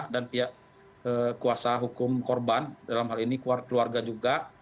dan pihak kuasa hukum korban dalam hal ini keluarga juga